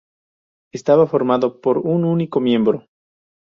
Estaba formado por un único miembro.